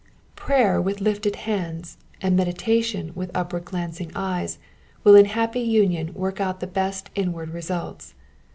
Prayer with lifted hands, and meditation with upward glancing eyes will in happy union work out the best inward results.